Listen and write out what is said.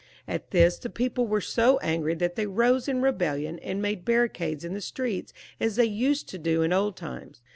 At this the people were so angry that they rose up in a rebellion, and made barricades in the street as they used to do in old times.